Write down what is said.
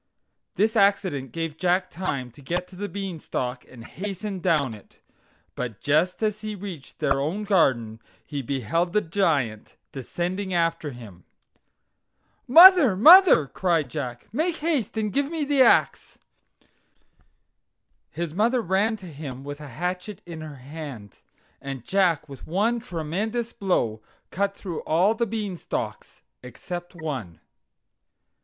This accident gave Jack time to get on the Bean stalk and hasten down it; but just as he reached their own garden he beheld the Giant descending after him. "Mother! mother!" cried Jack, "make haste and give me the ax." His mother ran to him with a hatchet in her hand, and Jack with one tremendous blow cut through all the Beanstalks except one.